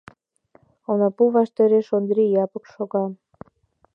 Онапу ваштареш Ондри Япык шога.